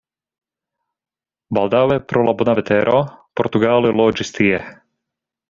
Baldaŭe pro la bona vetero portugaloj loĝis tie.